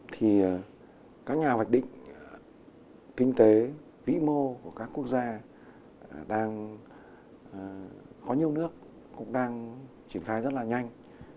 thì các nhà hoạch định kinh tế vĩ mô của các quốc gia đang có nhiều nước cũng đang triển khai rất là nhanh